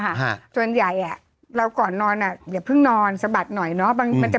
ฮะส่วนใหญ่อ่ะเราก่อนนอนอ่ะอย่าเพิ่งนอนสะบัดหน่อยเนอะบางมันจะ